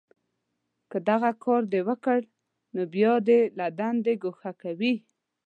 که دغه کار دې وکړ، نو بیا دې له دندې گوښه کوي